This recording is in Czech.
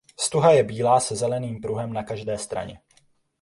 Stuha je bílá se zeleným pruhem na každé straně.